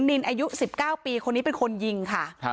นินอายุ๑๙ปีคนนี้เป็นคนยิงค่ะ